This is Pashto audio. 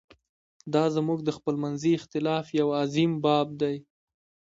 دا زموږ د خپلمنځي اختلاف یو عظیم باب دی.